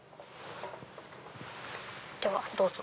ではどうぞ。